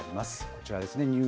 こちらですね。